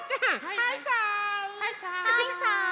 はいさい。